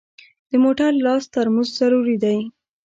د موټر لاس ترمز ضروري دی.